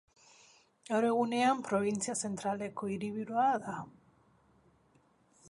Gaur egunean, probintzia zentraleko hiriburua da.